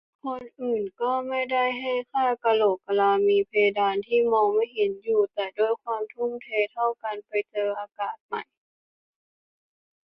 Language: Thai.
คนอื่นก็ไม่ได้ให้ค่า "กะโหลกกะลา" มีเพดานที่มองไม่เห็นอยู่ แต่ด้วยความทุ่มเทเท่ากัน ไปเจออากาศใหม่